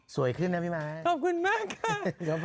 สวยขึ้นนะพี่ไม้ขอบคุณมากค่ะ